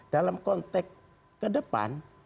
dalam konteks ke depan